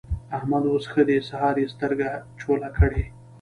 احمد اوس ښه دی؛ سهار يې سترګې چوله کړې.